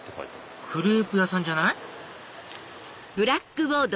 クレープ屋さんじゃない？